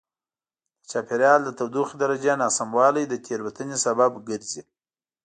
د چاپېریال د تودوخې درجې ناسموالی د تېروتنې سبب ګرځي.